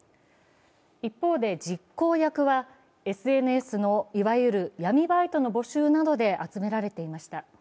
一方で、実行役はＳＮＳの、いわゆる闇バイトの募集などで集められていました。